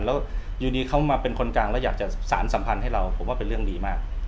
แล้วอยู่ดีเขามาเป็นคนกลางแล้วอยากจะสารสัมพันธ์ให้เราผมว่าเป็นเรื่องดีมาก